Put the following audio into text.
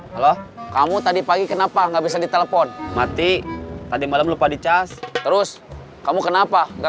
halo kamu tadi pagi kenapa nggak bisa ditelepon mati tadi malam lupa dicas terus kamu kenapa enggak